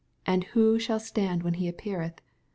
and who shall stand when He appeareth